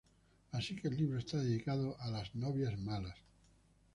Así que el libro está dedicado a las novias malas".